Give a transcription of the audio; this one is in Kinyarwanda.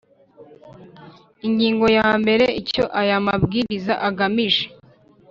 Ingingo ya mbere Icyo aya mabwiriza agamije